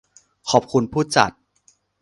ขอบคุณผู้จัด